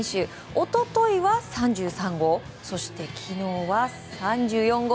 一昨日は３３号そして昨日は３４号。